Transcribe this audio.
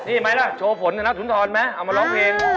นี่มั้ยล่ะโชว์ผลศาสตรุนทรมานะเอามาร้องเพลง